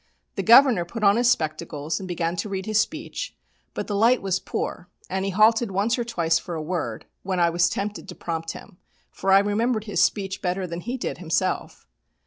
The Governor put on his spectacles and began to read his speech, but the light was poor, and he halted once or twice for a word, when I was tempted to prompt him, for I remembered his speech better than he did himself.